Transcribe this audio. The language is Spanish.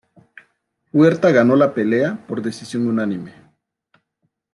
Huerta ganó la pelea por decisión unánime.